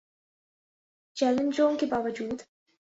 چیلنجوں کے باوجو